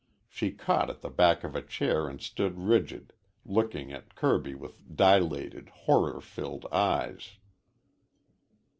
She caught at the back of a chair and stood rigid, looking at Kirby with dilated, horror filled eyes.